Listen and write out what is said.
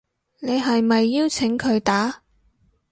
你係咪邀請佢打